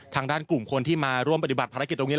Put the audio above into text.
ทางด้านกลุ่มคนที่มาร่วมปฏิบัติภารกิจตรงนี้